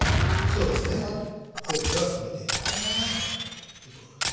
そうですね大きさは決めて頂ければ。